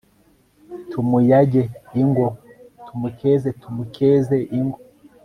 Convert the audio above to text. tumuyage; ingo tumukeze, tumukeze; ingo